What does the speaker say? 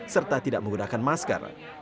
serta tidak menggunakan masker